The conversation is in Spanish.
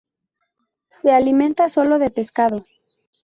Se alimenta sólo de pescado.